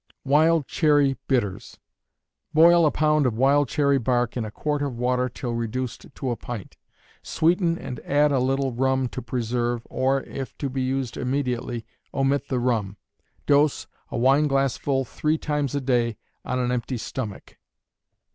Wild Cherry Bitters. Boil a pound of wild cherry bark in a quart of water till reduced to a pint. Sweeten and add a little rum to preserve, or, if to be used immediately, omit the rum. Dose, a wineglassful three times a day, on an empty stomach.